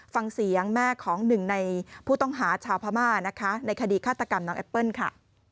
ฟังเสียงแม่ของหนึ่งในผู้ต้องหาชาวพม่านะคะในคดีฆาตกรรมน้องแอปเปิ้ลค่ะ